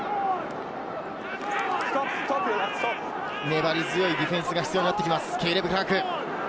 粘り強いディフェンスが必要になってきます。